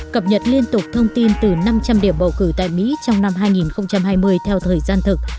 cập nhật liên tục thông tin từ năm trăm linh điểm bầu cử tại mỹ trong năm hai nghìn hai mươi theo thời gian thực